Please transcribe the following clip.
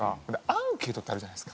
アンケートってあるじゃないですか。